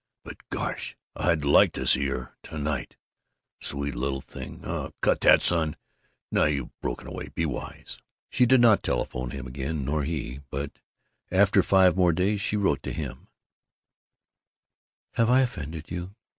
But gosh, I'd like to see her to night sweet little thing.... Oh, cut that, son! Now you've broken away, be wise!" She did not telephone again, nor he, but after five more days she wrote to him: Have I offended you?